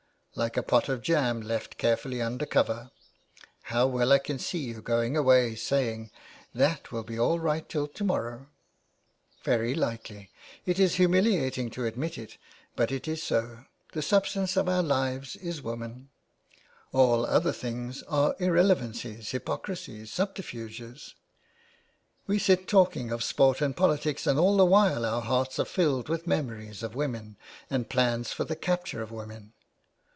" Like a pot of jam left carefully under cover. How well I can see you going away saying :' that will be all right till to morrow.' "" Very likely. It is humiliating to admit it, but it is so ; the substance of our lives is woman ; all other 402 THE WAY BACK. things are irrelevancies, hypocrisies, subterfuges. We sit talking of sport and politics, and all the while our hearts are filled with memories of women and plans for the capture of women.